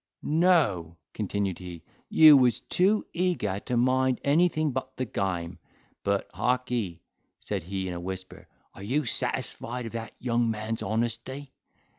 "No," continued he; "you was too eager to mind anything but the game. But, harkee," said he in a whisper, "are you satisfied of that young man's honesty?